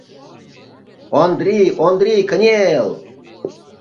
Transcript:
— Ондрий, Ондрий, кынел!..